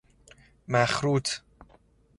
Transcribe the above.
مخروط